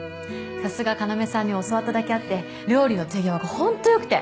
さすが要さんに教わっただけあって料理の手際がほんと良くて。